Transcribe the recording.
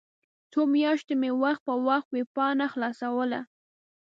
څو میاشتې مې وخت په وخت ویبپاڼه خلاصوله.